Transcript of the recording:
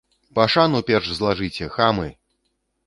Пашану перш злажыце, хамы!